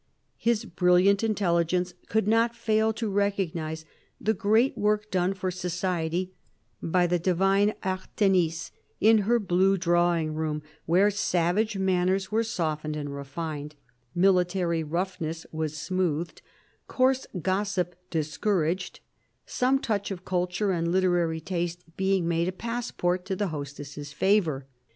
His brilHant intelligence could not fail to recognise the great work done for society by " the divine Arthenice " in her blue drawing room, where savage manners were softened and refined, military roughness was smoothed, coarse gossip discour aged ; some touch of culture and literary taste being made a passport to the hostess's favour.